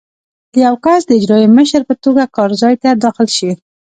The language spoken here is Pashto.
که یو کس د اجرایي مشر په توګه کار ځای ته داخل شي.